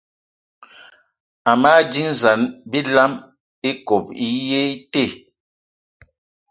Ama dínzan bilam íkob í yé í te